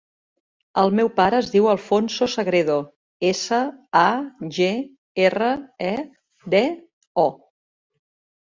El meu pare es diu Alfonso Sagredo: essa, a, ge, erra, e, de, o.